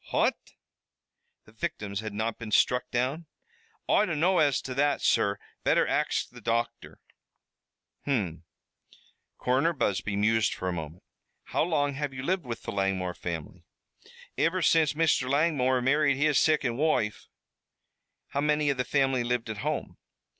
"Phat?" "The victims had not been struck down?" "Oi dunno as to that, sur better axed the docther." "Hum!" Coroner Busby mused for a moment. "How long have you lived with the Langmore family?" "Iver since Mr. Langmore married his sicond woife." "How many of the family lived at home?"